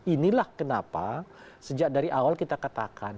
inilah kenapa sejak dari awal kita katakan